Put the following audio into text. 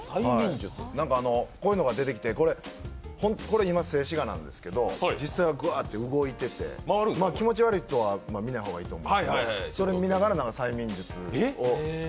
こういうのが出てきて今、静止画なんですけど実際はぐわーって動いてて気持ち悪い人は見ない方がいいですけど、それを見ながら催眠術を。